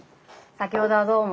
先ほどはどうも。